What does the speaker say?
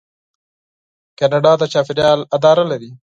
کاناډا د چاپیریال اداره لري.